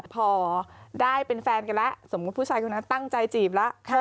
พอได้เป็นแฟนกันแล้วสมมุติผู้ชายคนนั้นตั้งใจจีบแล้ว